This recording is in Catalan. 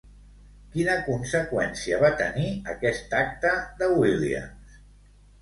Quina conseqüència va tenir aquest acte de Williams?